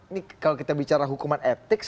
ini kalau kita bicara hukuman etik